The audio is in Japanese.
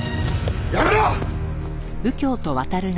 やめろ！